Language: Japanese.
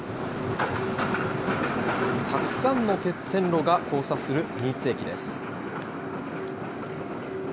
たくさんの線路が交差する新津駅です。